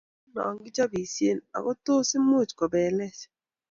Bolotet kou maat no kichoopisie ak kotos imuch kobelech